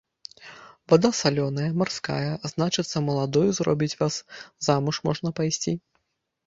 Вада салёная, марская, значыцца, маладою зробіць вас, замуж можна пайсці.